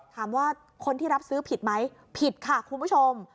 ถามว่าคนที่รับซื้อผิดไหมผิดค่ะคุณผู้ชม